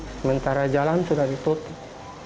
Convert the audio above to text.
sementara jalan sudah ditutup